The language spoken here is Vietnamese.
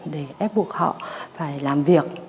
để ép buộc họ phải làm việc